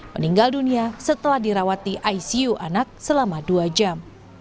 meninggal dunia setelah dirawati icu anak selama dua jam